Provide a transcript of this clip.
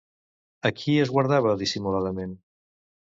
A qui esguardava, dissimuladament?